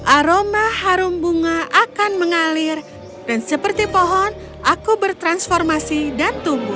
aroma harum bunga akan mengalir dan seperti pohon aku bertransformasi dan tumbuh